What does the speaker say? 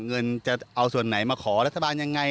เงินจะเอาส่วนไหนมาขอรัฐบาลยังไง